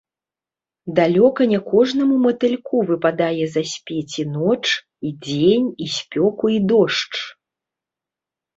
Далёка не кожнаму матыльку выпадае заспець і ноч, і дзень, і спёку і дождж.